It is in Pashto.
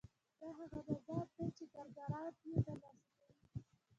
دا هغه مزد دی چې کارګران یې ترلاسه کوي